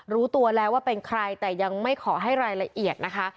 รู้ตัวแล้วว่าเป็นใครแต่ยังไม่ขอให้รายละเอียดนะคะ